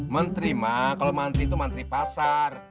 menteri ma kalau menteri itu menteri pasar